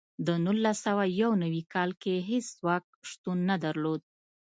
د نولس سوه یو نوي کال کې هېڅ ځواک شتون نه درلود.